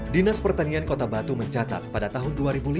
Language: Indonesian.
dinas pertanian kota batu mencatat pada tahun dua ribu lima belas